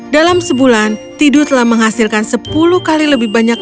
dalam sebulan tidu telah menghasilkan sepuluh kali lebih banyak